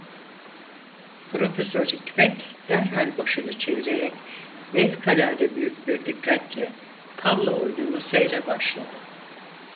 Profesör Hikmet derhal başını çevirerek fevkalade büyük bir dikkatle tavla oyununu seyre başladı.